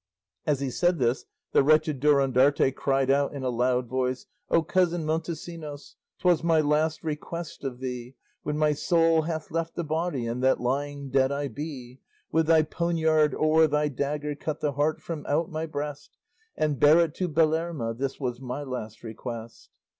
"As he said this, the wretched Durandarte cried out in a loud voice: O cousin Montesinos! 'T was my last request of thee, When my soul hath left the body, And that lying dead I be, With thy poniard or thy dagger Cut the heart from out my breast, And bear it to Belerma. This was my last request."